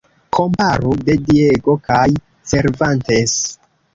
Komparu "De Diego" kaj "Cervantes".